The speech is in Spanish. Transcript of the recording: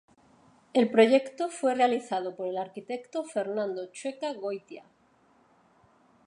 El proyecto fue realizado por el arquitecto Fernando Chueca Goitia.